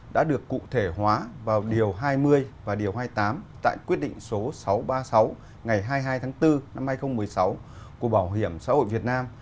đã được cụ thể hóa vào điều hai mươi và điều hai mươi tám tại quyết định số sáu trăm ba mươi sáu ngày hai mươi hai tháng bốn năm hai nghìn một mươi sáu của bảo hiểm xã hội việt nam